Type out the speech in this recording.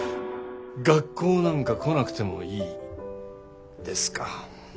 「学校なんか来なくてもいい」ですか。